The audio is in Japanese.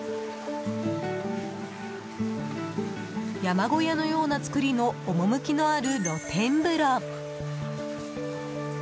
山小屋のような造りの趣のある露天風呂。